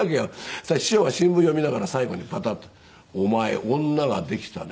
そしたら師匠が新聞読みながら最後にパタッと「お前女ができたね」